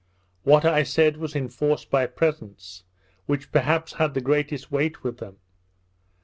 What I said was enforced by presents, which perhaps had the greatest weight with them.